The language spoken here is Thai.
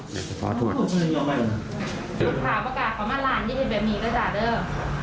ผู้ผู้ผ่าอุปกรณ์ขอมาร้านยินดิทัลแบบมีขนาดเงิน